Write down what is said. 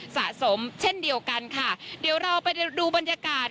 สะสมเช่นเดียวกันค่ะเดี๋ยวเราไปดูบรรยากาศ